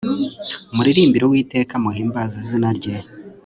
muririmbire uwiteka muhimbaze izina rye